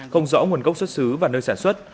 không rõ nguồn gốc xuất xứ và nơi sản xuất